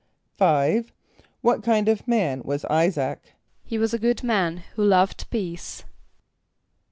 = =5.= What kind of a man was [=I]´[s+]aac? =He was a good man, who loved peace.